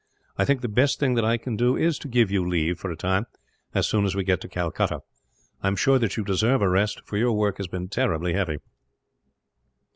I think the best thing that I can do is to give you leave, for a time, as soon as we get to Calcutta. I am sure that you deserve a rest, for your work has been terribly heavy."